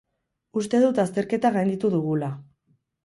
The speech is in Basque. Uste dut azterketa gainditu dugula.